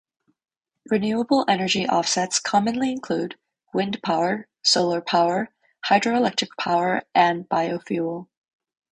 Renewable energy offsets commonly include wind power, solar power, hydroelectric power and biofuel.